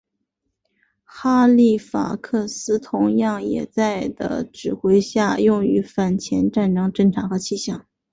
哈利法克斯同样也在的指挥下用于反潜战侦察和气象。